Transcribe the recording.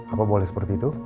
apa boleh seperti itu